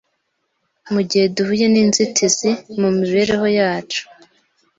Mu gihe duhuye n’inzitizi mu mibereho yacu